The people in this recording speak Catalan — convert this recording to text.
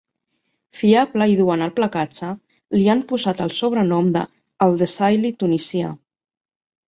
Fiable i dur en el placatge, li han posat el sobrenom de "el Desailly tunisià".